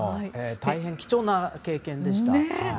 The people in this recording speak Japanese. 大変貴重な経験でした。